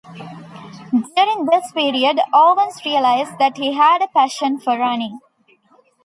During this period, Owens realized that he had a passion for running.